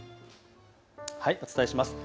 お伝えします。